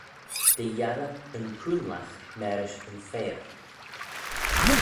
Dy yiarrey yn coonlagh marish yn faiyr.